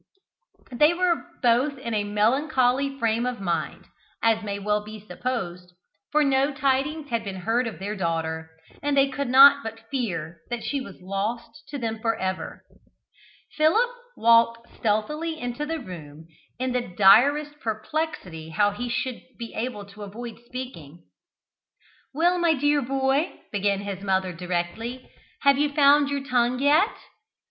They were both in a melancholy frame of mind, as may well be supposed, for no tidings had been heard of their daughter, and they could not but fear that she was lost to them for ever. Philip walked stealthily into the room, in the direst perplexity how he should be able to avoid speaking. "Well, my dear boy," began his mother directly, "have you found your tongue yet?"